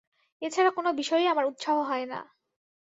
এ ছাড়া কোন বিষয়েই আমার উৎসাহ হয় না।